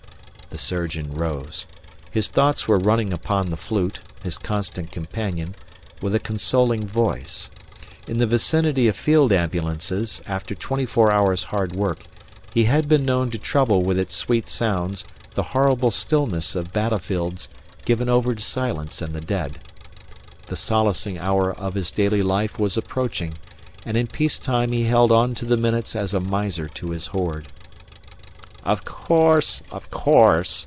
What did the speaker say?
The surgeon rose. His thoughts were running upon the flute, his constant companion, with a consoling voice. In the vicinity of field ambulances, after twenty four hours' hard work, he had been known to trouble with its sweet sounds the horrible stillness of battlefields given over to silence and the dead. The solacing hour of his daily life was approaching and in peace time he held on to the minutes as a miser to his hoard. "Of course! Of course!"